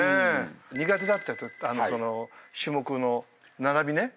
苦手だって種目の並びね。